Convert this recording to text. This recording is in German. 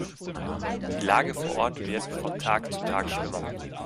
Die Lage vor Ort wird von Tag zu Tag schlimmer.